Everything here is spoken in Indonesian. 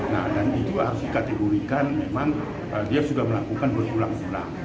nah dan itu harus dikategorikan memang dia sudah melakukan berulang ulang